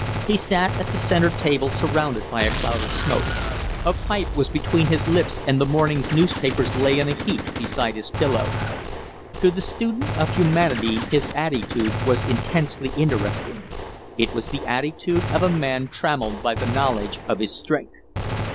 He sat at the centre table surrounded by a cloud of smoke; a pipe was between his lips and the morning's newspapers lay in a heap beside his elbow. To the student of humanity his attitude was intensely interesting. It was the attitude of a man trammelled by the knowledge of his strength.